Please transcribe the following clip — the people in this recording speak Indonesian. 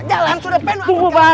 jalan sudah penuh